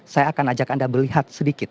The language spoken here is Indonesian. saya akan ajak anda melihat sedikit